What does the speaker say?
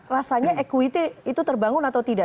rasanya equity itu terbangun atau tidak